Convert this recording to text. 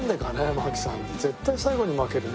槙さんって絶対最後に負けるね。